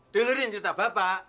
dengerin cerita bapak